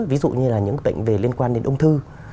ví dụ như là những bệnh về liên quan đến ung thư